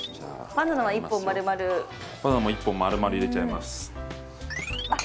バナナも１本丸々入れちゃいますあっ